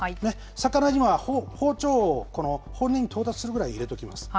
魚には包丁を骨に到達するぐらい入れておきます。